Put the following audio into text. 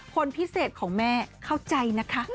คนพิเศษของแม่เข้าใจนะคะ